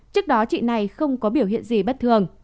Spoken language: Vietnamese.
trước đó chị này không có biểu hiện gì bất thường